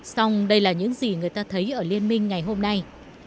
xong đây là những gì người ta thấy ở liên minh ngày hôm nay